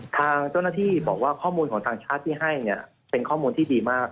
ทางเจ้าหน้าที่บอกว่าข้อมูลของทางชาติที่ให้เนี่ยเป็นข้อมูลที่ดีมาก